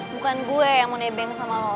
bukan gue yang mau nebeng sama lo